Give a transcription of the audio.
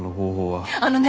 あのね